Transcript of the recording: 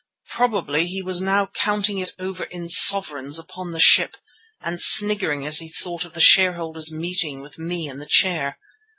Probably he was now counting it over in sovereigns upon the ship and sniggering as he thought of the shareholders' meeting with me in the chair.